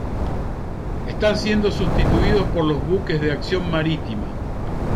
Están siendo sustituidos por los Buques de Acción Marítima.